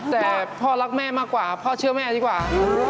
แต่พ่อรักแม่มากกว่าพ่อเชื่อแม่ดีกว่า